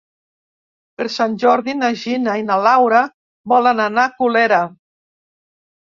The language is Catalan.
Per Sant Jordi na Gina i na Laura volen anar a Colera.